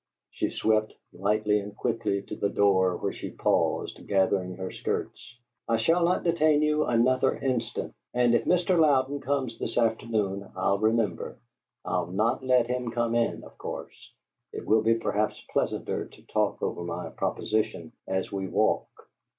She swept lightly and quickly to the door, where she paused, gathering her skirts. "I shall not detain you another instant! And if Mr. Louden comes, this afternoon, I'll remember. I'll not let him come in, of course. It will be perhaps pleasanter to talk over my proposition as we walk!"